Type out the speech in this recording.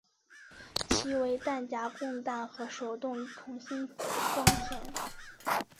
其为弹匣供弹和手动重新装填。